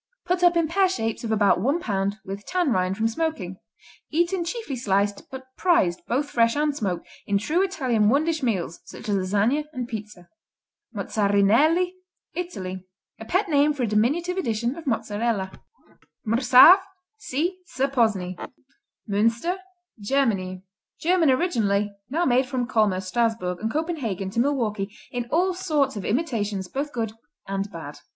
Put up in pear shapes of about one pound, with tan rind, from smoking. Eaten chiefly sliced, but prized, both fresh and smoked, in true Italian one dish meals such as Lasagne and Pizza. Mozzarinelli Italy A pet name for a diminutive edition of Mozzarella. Mrsav see Sir Posny. Münster Germany German originally, now made from Colmar, Strassburg and Copenhagen to Milwaukee in all sorts of imitations, both good and bad.